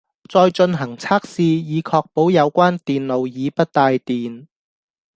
再進行測試以確保有關電路已不帶電